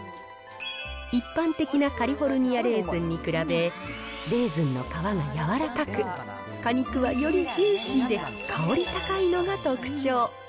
一般的なカリフォルニアレーズンに比べ、レーズンの皮が柔らかく、果肉はよりジューシーで、香り高いのが特徴。